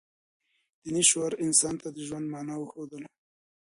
دیني شعور انسان ته د ژوند مانا وښودله.